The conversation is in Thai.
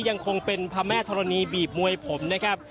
ยังคงเป็นพระแม่ธรณีบีบมวยผมนะครับ